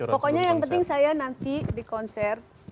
pokoknya yang penting saya nanti di konser